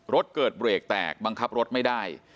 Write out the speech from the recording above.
รถเกิดเบรกแตกบังคับรถไม่ได้